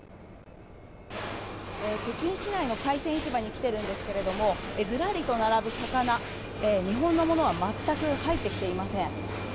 北京市内の海鮮市場に来ているんですけれどもずらりと並ぶ魚、日本のものは全く入ってきていません。